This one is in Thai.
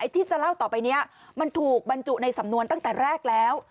ที่จะเล่าต่อไปนี้มันถูกบรรจุในสำนวนตั้งแต่แรกแล้ว